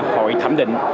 hội thẩm định